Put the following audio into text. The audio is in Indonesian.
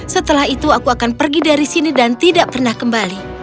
setelah itu aku akan pergi dari sini dan tidak pernah kembali